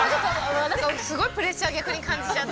◆すごいプレッシャーを感じちゃって。